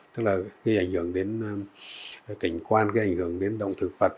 tức là gây ảnh hưởng đến cảnh quan gây ảnh hưởng đến động thực vật